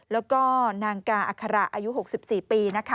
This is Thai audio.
แล้วก็นางกาอัคคาระอายุ๖๔ปี